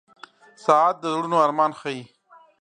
• ساعت د زړونو ارمان ښيي.